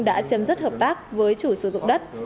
đã chấm dứt hợp tác với chủ sử dụng đất